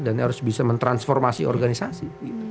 dan dia harus bisa mentransformasi organisasi